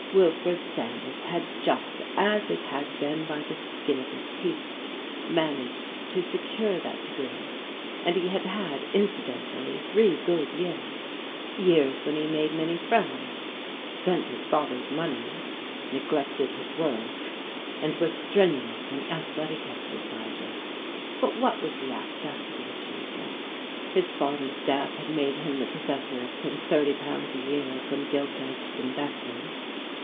Wilfred Sandys had just, as it had been by the skin of his teeth, managed to secure that degree, and he had had incidentally three good years years when he made many friends, spent his father's money, neglected his work, and was strenuous in athletic ex ercises. But what was left after the achievement? His father's death had made him the possessor of some thirty pounds a year from gilt edged investments.